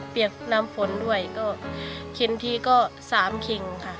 เปียกน้ำฝนด้วยก็เข็นทีก็๓เข่งค่ะ